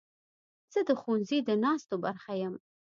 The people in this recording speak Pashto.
زه د ښوونځي د ناستو برخه یم.